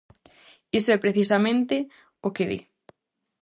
Iso é precisamente o que di.